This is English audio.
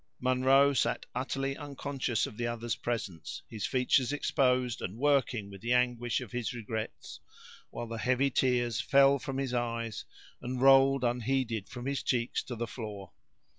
Munro sat utterly unconscious of the other's presence, his features exposed and working with the anguish of his regrets, while heavy tears fell from his eyes, and rolled unheeded from his cheeks to the floor.